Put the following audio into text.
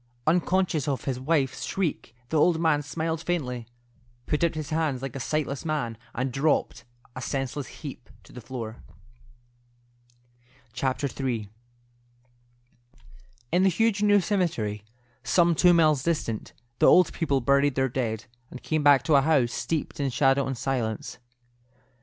Unconscious of his wife's shriek, the old man smiled faintly, put out his hands like a sightless man, and dropped, a senseless heap, to the floor. III. In the huge new cemetery, some two miles distant, the old people buried their dead, and came back to a house steeped in shadow and silence.